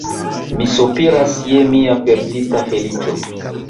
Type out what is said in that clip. Mi sopiras je mia perdita feliĉo.